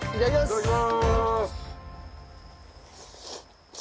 いただきます！